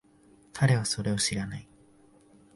彼はそれを知らない。